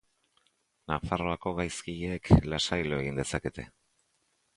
Nafarroako gaizkileek lasai lo egin dezakete.